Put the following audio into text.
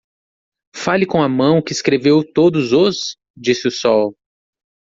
"Fale com a mão que escreveu todos os?" disse o sol.